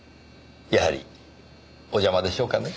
やはりお邪魔でしょうかね？